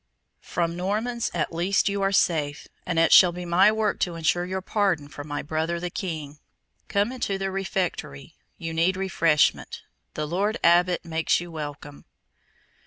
From Normans at least you are safe; and it shall be my work to ensure your pardon from my brother the King. Come into the refectory: you need refreshment. The Lord Abbot makes you welcome."